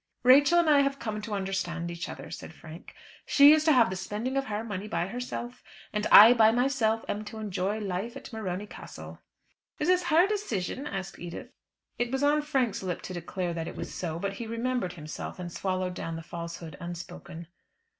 "Rachel and I have come to understand each other," said Frank. "She is to have the spending of her money by herself, and I by myself am to enjoy life at Morony Castle." "Is this her decision?" asked Edith. It was on Frank's lips to declare that it was so; but he remembered himself, and swallowed down the falsehood unspoken.